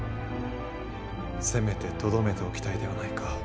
せめてとどめておきたいではないか。